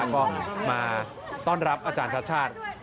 ก็มาต้อนรับอาจารย์ชาติชาติ